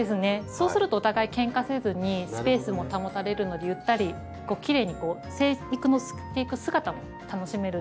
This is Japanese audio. そうするとお互いけんかせずにスペースも保たれるのでゆったりきれいに生育していく姿も楽しめる。